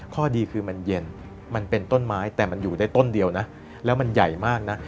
ข้อดีคือมันเย็นมันเป็นต้นไม้แต่มันอยู่ได้ต้นเดียวนะแล้วมันใหญ่มากนะ